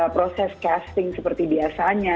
proses casting seperti biasanya